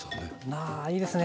あいいですね